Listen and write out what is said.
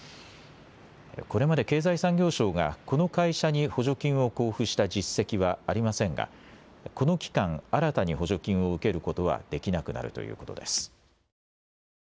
これまで経済産業省がこの会社に補助金を交付した実績はありませんが、この期間、新たに補助金を受けることはできなくなるということです。